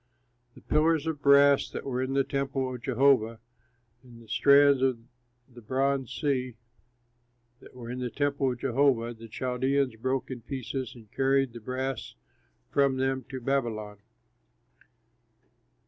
The pillars of brass that were in the temple of Jehovah, and the stands and the bronze sea that were in the temple of Jehovah the Chaldeans broke in pieces and carried the brass from them to Babylon.